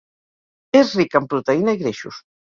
És rica en proteïna i greixos.